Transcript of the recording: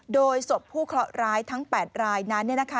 โดยศพผู้เคราะห์ร้ายทั้ง๘รายนั้นเนี่ยนะคะ